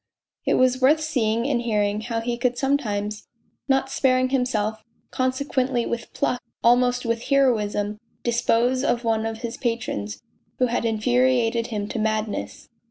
It was worth seeing and hearing how he could sometimes, not sparing himself, consequently with pluck, almost with heroism, dispose of one of his patrons who had infuriated him to madness.